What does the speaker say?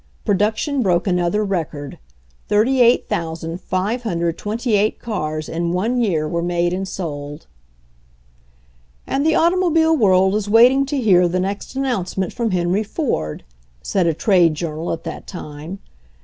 Production broke another record — 38,528 cars in one year were made and sold. "And the automobile world is waiting to hear the next announcement from Henry Ford/' said a trade journal at that time.